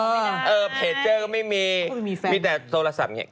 เออเพจเจอก็ไม่มีมีแต่โทรศัพท์อย่างนี้